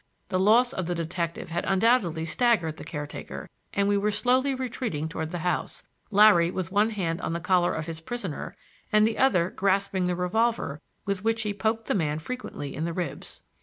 The loss of the detective had undoubtedly staggered the caretaker, and we were slowly retreating toward the house, Larry with one hand on the collar of his prisoner and the other grasping the revolver with which he poked the man frequently in the ribs.